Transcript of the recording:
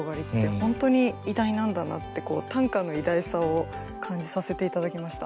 本当に偉大なんだなって短歌の偉大さを感じさせて頂きました。